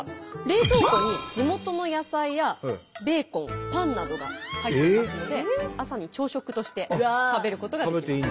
冷蔵庫に地元の野菜やベーコンパンなどが入っていますので朝に朝食として食べることができます。